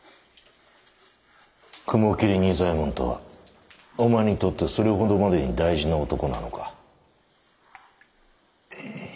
雲霧仁左衛門とはお前にとってそれほどまでに大事な男なのか？